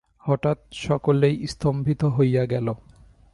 হঠাৎ সকলেই স্তম্ভিত হইয়া গেল।